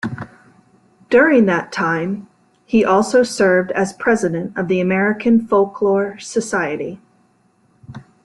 During that time, he also served as president of the American Folklore Society.